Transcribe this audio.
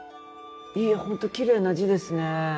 いやホントきれいな字ですね。